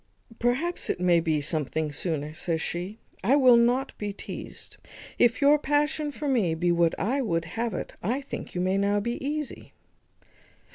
"Perhaps it may be something sooner," says she; "I will not be teazed. If your passion for me be what I would have it, I think you may now be easy."